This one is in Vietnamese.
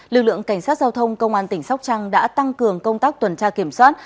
lực lượng cảnh sát giao thông công an tỉnh sóc trăng đã tăng cường công tác tuần tra kiểm soát